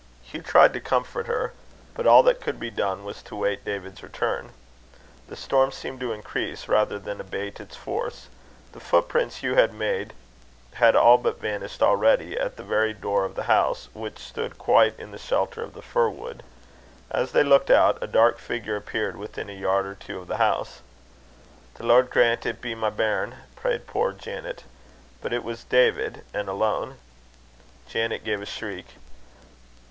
Hugh tried to comfort her, but all that could be done was to wait David's return. The storm seemed to increase rather than abate its force. The footprints Hugh had made, had all but vanished already at the very door of the house, which stood quite in the shelter of the fir wood. As they looked out, a dark figure appeared within a yard or two of the house. "The Lord grant it be my bairn!" prayed poor Janet. But it was David, and alone. Janet gave a shriek.